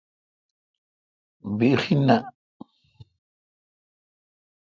بیہی نہ۔